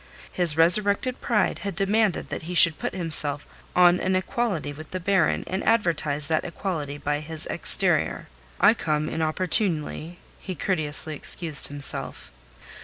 His resurrected pride had demanded that he should put himself on an equality with the baron and advertise that equality by his exterior. "I come inopportunely," he courteously excused himself.